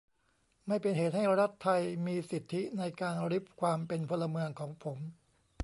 ไม่เป็นเหตุให้รัฐไทยมีสิทธิในการริบความเป็นพลเมืองของผม